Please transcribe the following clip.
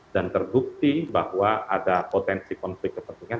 dan terbukti bahwa ada potensi konflik kepentingan